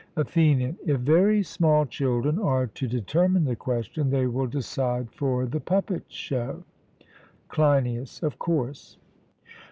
ATHENIAN: If very small children are to determine the question, they will decide for the puppet show. CLEINIAS: Of course.